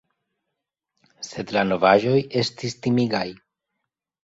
Sed la novaĵoj estis timigaj.